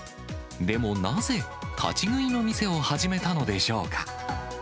でもなぜ、立ち食いの店を始めたのでしょうか。